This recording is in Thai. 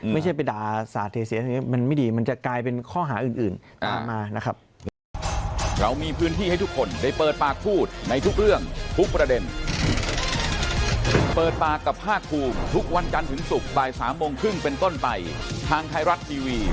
ไม่ใช่ไปด่าสาดเทเสียมันไม่ดีมันจะกลายเป็นข้อหาอื่นตามมานะครับ